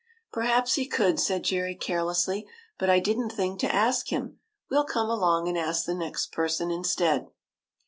" Perhaps he could," said Jerry, carelessly, " but I did n't think to ask him. We '11 come along and ask the next person instead."